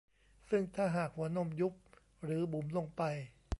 ซึ่งถ้าหากหัวนมยุบหรือบุ๋มลงไป